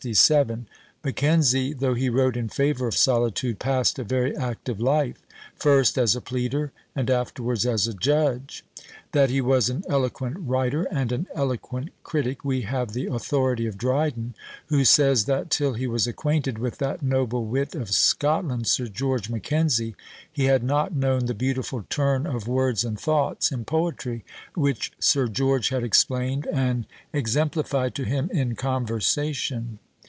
Mackenzie, though he wrote in favour of solitude, passed a very active life, first as a pleader, and afterwards as a judge; that he was an eloquent writer, and an eloquent critic, we have the authority of Dryden, who says, that till he was acquainted with that noble wit of Scotland, Sir George Mackenzie, he had not known the beautiful turn of words and thoughts in poetry, which Sir George had explained and exemplified to him in conversation.